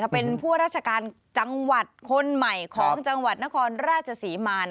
เป็นผู้ราชการจังหวัดคนใหม่ของจังหวัดนครราชศรีมา